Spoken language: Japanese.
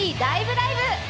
ライブ！」